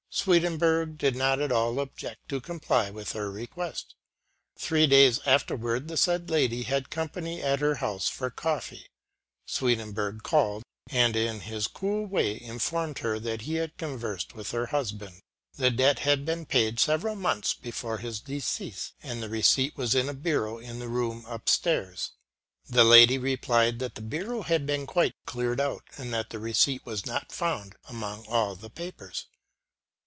Swedenborg did not at all object to comply with her request. Three days afterward the said lady had company at her house for coffee. Swedenborg called and in his cool way informed her that he had conversed with her husband. The debt I 5 8 APPENDIX II. had been paid several months before his decease, and the receipt was in a bureau in the room upstairs. The lady replied that the bureau had been quite cleared out, and that the receipt was not found among all the papers.